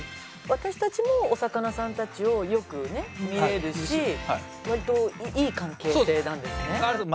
私たちもお魚さんたちをよくね見れるし割といい関係性なんですね。